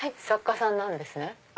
作家さんなんですね。